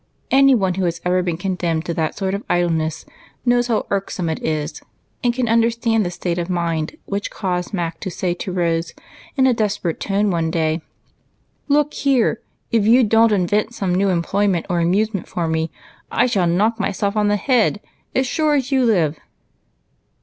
Any one who has ever been condemned to that sort of idleness knows how irksome it is, and can understand the state of mind which caused Mac to say to Rose in a desperate tone one day, —" Look here, if you don't invent some new employ ment or amusement for me, I shall knock myself on the head as sure as you live."